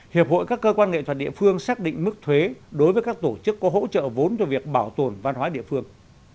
hiệp hội các cơ quan nghệ thuật địa phương xác định mức thuế đối với các tổ chức có hỗ trợ vốn cho việc bảo tồn văn hóa địa phương